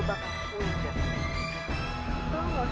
jangan harap gue bakal sulit